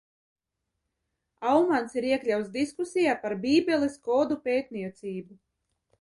Aumans ir iekļauts diskusijā par Bībeles kodu pētniecību.